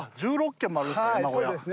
１６軒もあるんですか。